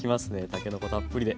たけのこたっぷりで。